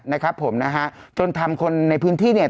นะครับผมนะฮะจนทำคนในพื้นที่เนี่ย